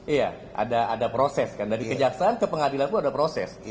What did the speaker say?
iya ada proses kan dari kejaksaan ke pengadilan pun ada proses